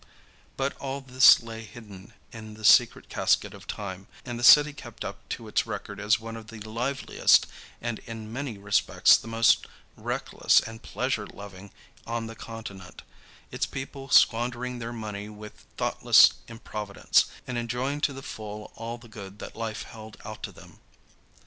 But all this lay hidden in the secret casket of time, and the city kept up to its record as one of the liveliest and in many respects the most reckless and pleasure loving on the continent, its people squandering their money with thoughtless improvidence and enjoying to the full all the good that life held out to them.